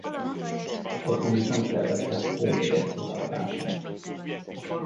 Otthon viszont élvezte Homer odaadását.